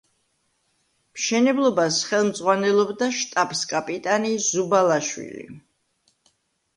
მშენებლობას ხელმძღვანელობდა შტაბს-კაპიტანი ზუბალაშვილი.